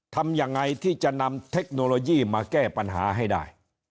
ทำยังไงที่จะนำเทคโนโลยีมาแก้ปัญหาให้ได้